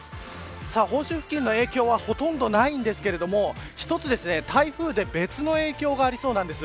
本州付近の影響はほとんどないんですけれども一つ、台風で別の影響がありそうなんです。